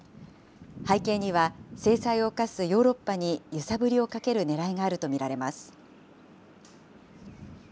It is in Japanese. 背景には、制裁を科すヨーロッパに揺さぶりをかけるねらいがあると見られます。